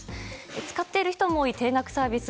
使っている人も多い定額サービス